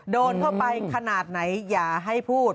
โดนเข้าไปขนาดไหนอย่าให้พูด